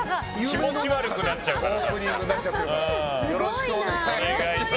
気持ち悪くなっちゃうから。